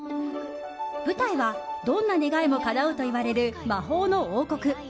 舞台はどんな願いもかなうといわれる魔法の王国。